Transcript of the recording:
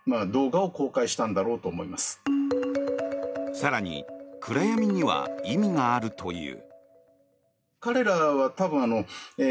更に、暗闇には意味があるという。